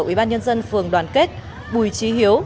ủy ban nhân dân phường đoàn kết bùi trí hiếu